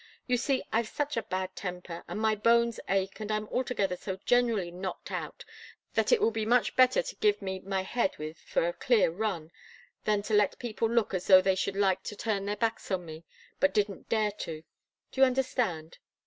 You see, I've such a bad temper, and my bones ache, and I'm altogether so generally knocked out, that it will be much better to give me my head with for a clear run, than to let people look as though they should like to turn their backs on me, but didn't dare to. Do you understand?"